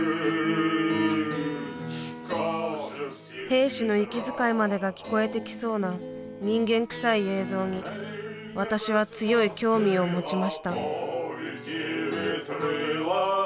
兵士の息遣いまでが聞こえてきそうな人間くさい映像に私は強い興味を持ちました。